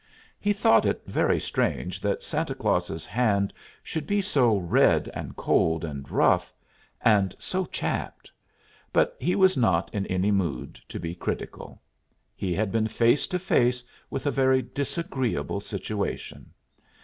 He thought it very strange that Santa Claus's hand should be so red and cold and rough, and so chapped; but he was not in any mood to be critical. He had been face to face with a very disagreeable situation.